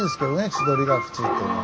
「千鳥ヶ淵」というのは。